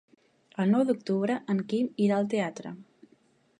El nou d'octubre en Quim irà al teatre.